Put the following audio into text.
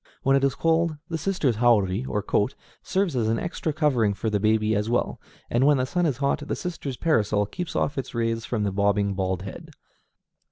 When it is cold, the sister's haori, or coat, serves as an extra covering for the baby as well; and when the sun is hot, the sister's parasol keeps off its rays from the bobbing bald head.